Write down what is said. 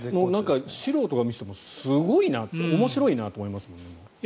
素人が見ててもすごいな、面白いなと思いますね。